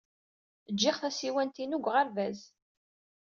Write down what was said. Ǧǧiɣ tasiwant-inu deg uɣerbaz.